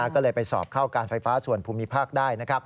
ก็เลยไปสอบเข้าการไฟฟ้าส่วนภูมิภาคได้